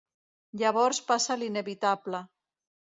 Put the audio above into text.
Llavors passa l'inevitable.